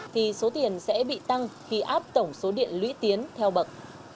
thì số tiền sẽ bị tăng khi áp tổng số điện lũy tiến theo bậc